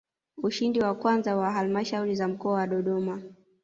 Ushindi wa kwanza kwa Halmashauri za Mkoa wa Dodoma